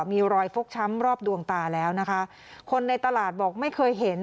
มีรอยฟกช้ำรอบดวงตาแล้วนะคะคนในตลาดบอกไม่เคยเห็น